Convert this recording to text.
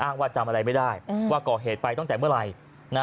ว่าจำอะไรไม่ได้ว่าก่อเหตุไปตั้งแต่เมื่อไหร่